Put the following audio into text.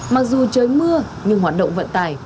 mặc dù trời mưa nhưng hoạt động vận tải